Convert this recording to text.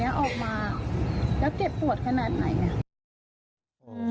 แล้วเจ็บปวดขนาดไหน